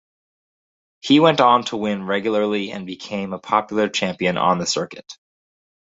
He went on to win regularly and became a popular champion on the circuit.